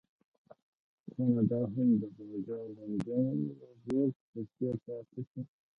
خو نه دا هم د بازار موندنې بورډ په څېر پاتې شو.